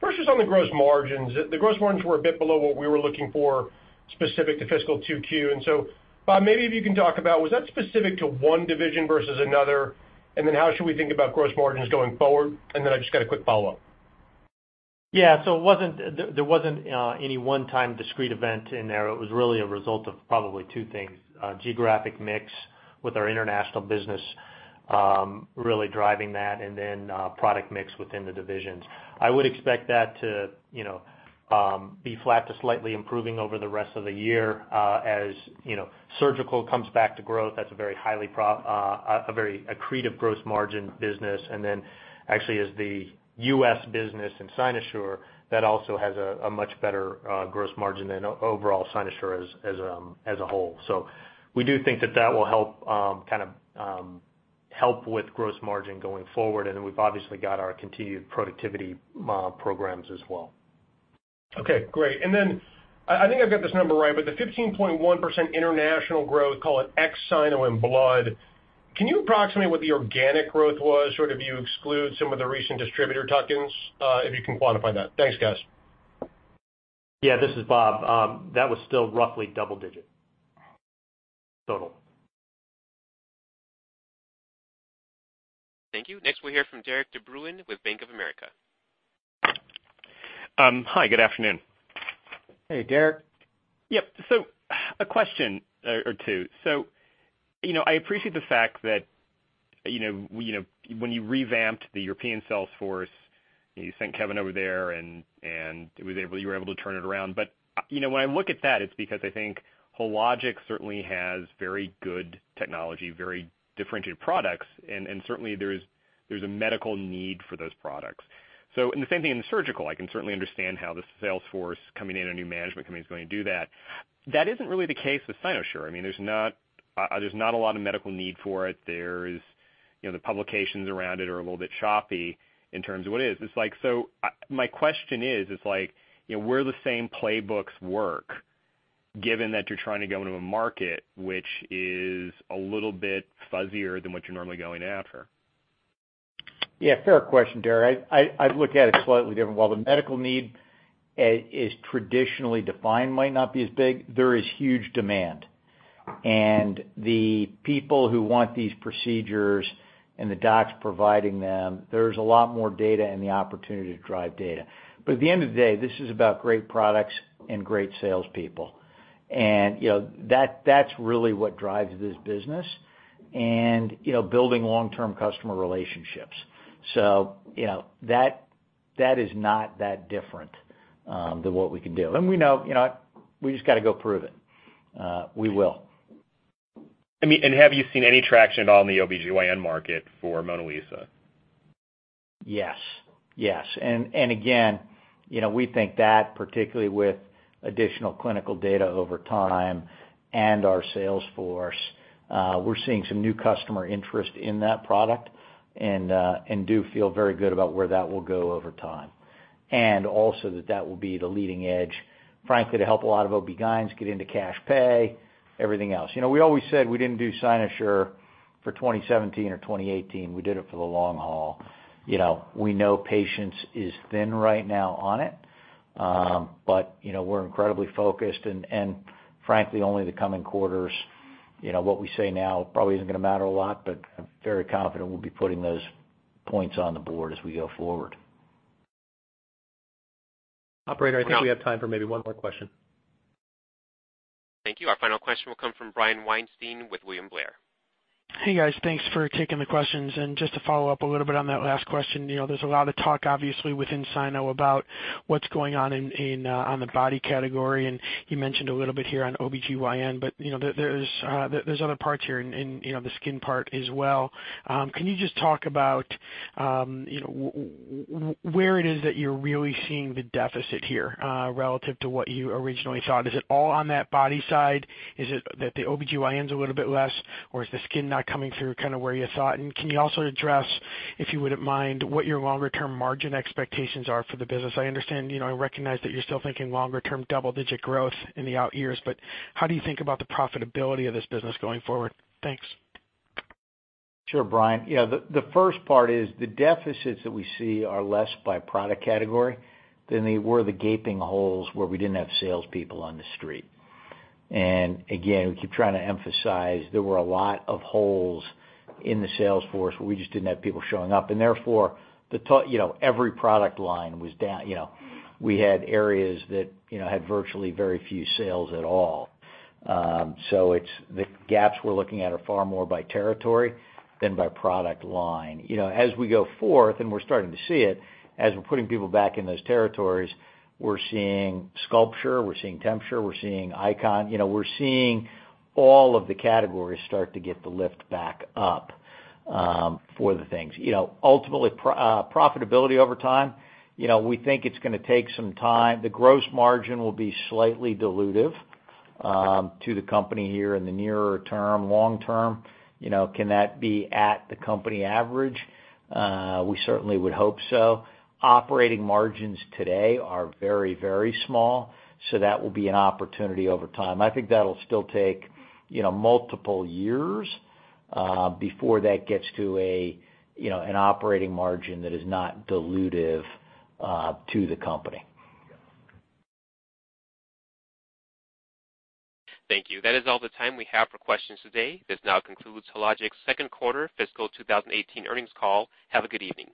[SPEAKER 11] First is on the gross margins. The gross margins were a bit below what we were looking for specific to fiscal 2Q. Bob, maybe if you can talk about, was that specific to one division versus another? How should we think about gross margins going forward? I've just got a quick follow-up.
[SPEAKER 4] Yeah. There wasn't any one-time discrete event in there. It was really a result of probably two things, geographic mix with our international business really driving that, and then product mix within the divisions. I would expect that to be flat to slightly improving over the rest of the year as surgical comes back to growth. That's a very accretive gross margin business. Actually as the U.S. business and Cynosure, that also has a much better gross margin than overall Cynosure as a whole. We do think that that will help with gross margin going forward. We've obviously got our continued productivity programs as well.
[SPEAKER 11] Okay, great. I think I've got this number right, but the 15.1% international growth, call it ex Cynosure and blood, can you approximate what the organic growth was, sort of you exclude some of the recent distributor tuck-ins, if you can quantify that? Thanks, guys.
[SPEAKER 4] Yeah, this is Bob. That was still roughly double digit total.
[SPEAKER 1] Thank you. Next we'll hear from Derik de Bruin with Bank of America.
[SPEAKER 12] Hi, good afternoon.
[SPEAKER 3] Hey, Derik.
[SPEAKER 12] Yep. A question or two. I appreciate the fact that when you revamped the European sales force You sent Kevin over there, and you were able to turn it around. When I look at that, it's because I think Hologic certainly has very good technology, very differentiated products, and certainly there's a medical need for those products. The same thing in the surgical. I can certainly understand how the sales force coming in and new management coming in is going to do that. That isn't really the case with Cynosure. There's not a lot of medical need for it. The publications around it are a little bit choppy in terms of what it is. My question is: where the same playbooks work, given that you're trying to go into a market which is a little bit fuzzier than what you're normally going after?
[SPEAKER 3] Yeah. Fair question, Derik. I look at it slightly different. While the medical need is traditionally defined might not be as big, there is huge demand. The people who want these procedures and the docs providing them, there's a lot more data and the opportunity to drive data. At the end of the day, this is about great products and great salespeople. That's really what drives this business and building long-term customer relationships. That is not that different than what we can do. We know we just got to go prove it. We will.
[SPEAKER 12] Have you seen any traction at all in the OBGYN market for MonaLisa?
[SPEAKER 3] Yes. Again, we think that particularly with additional clinical data over time and our sales force, we're seeing some new customer interest in that product and do feel very good about where that will go over time. Also that that will be the leading edge, frankly, to help a lot of OBGYNs get into cash pay, everything else. We always said we didn't do Cynosure for 2017 or 2018. We did it for the long haul. We know patience is thin right now on it. We're incredibly focused and frankly, only the coming quarters, what we say now probably isn't going to matter a lot, I'm very confident we'll be putting those points on the board as we go forward.
[SPEAKER 2] Operator, I think we have time for maybe one more question.
[SPEAKER 1] Thank you. Our final question will come from Brian Weinstein with William Blair.
[SPEAKER 13] Hey, guys. Thanks for taking the questions. Just to follow up a little bit on that last question, there's a lot of talk, obviously, within Cyno about what's going on on the body category, and you mentioned a little bit here on OBGYN, but there's other parts here in the skin part as well. Can you just talk about where it is that you're really seeing the deficit here relative to what you originally thought? Is it all on that body side? Is it that the OBGYN's a little bit less, or is the skin not coming through kind of where you thought? Can you also address, if you wouldn't mind, what your longer-term margin expectations are for the business? I understand, I recognize that you're still thinking longer-term double-digit growth in the out years, how do you think about the profitability of this business going forward? Thanks.
[SPEAKER 3] Sure, Brian. The first part is the deficits that we see are less by product category than they were the gaping holes where we didn't have salespeople on the street. Again, we keep trying to emphasize there were a lot of holes in the sales force where we just didn't have people showing up. Therefore, every product line was down. We had areas that had virtually very few sales at all. The gaps we're looking at are far more by territory than by product line. As we go forth, and we're starting to see it, as we're putting people back in those territories, we're seeing SculpSure, we're seeing TempSure, we're seeing Icon. We're seeing all of the categories start to get the lift back up for the things. Ultimately, profitability over time, we think it's going to take some time. The gross margin will be slightly dilutive to the company here in the nearer term. Long term, can that be at the company average? We certainly would hope so. Operating margins today are very small. That will be an opportunity over time. I think that'll still take multiple years before that gets to an operating margin that is not dilutive to the company.
[SPEAKER 1] Thank you. That is all the time we have for questions today. This now concludes Hologic's second quarter fiscal 2018 earnings call. Have a good evening.